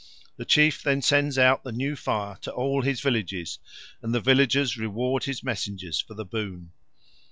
The chief then sends out the new fire to all his villages, and the villagers reward his messengers for the boon.